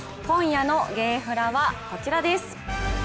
今夜のゲーフラはこちらです。